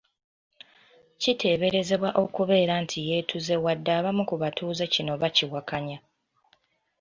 Kiteeberezebwa okubeera nti yeetuze wadde abamu ku batuuze kino bakiwakanya.